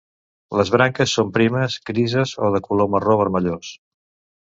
Les branques són primes, grises o de color marró-vermellós.